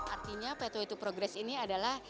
artinya pathway to progress ini adalah